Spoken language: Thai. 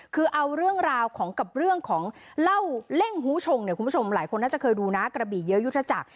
คือเอาเรื่องราวของกับเรื่องของเล่าเล่งหูชงเนี่ยคุณผู้ชมหลายคนน่าจะเคยดูนะกระบี่เยอะยุทธจักร